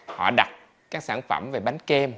họ đặt các sản phẩm về bánh kem